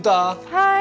はい。